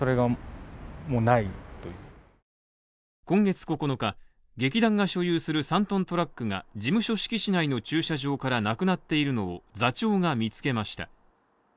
今月９日、劇団が所有する３トントラックが事務所敷地内の駐車場からなくなっているのを、座長が見つけました。